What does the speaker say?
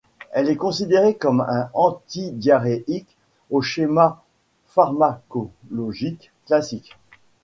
Elle est considérée comme un antidiarrhéique au schéma pharmacologique classique.